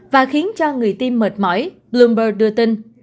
và khiến cho người tiêm mệt mỏi bloomber đưa tin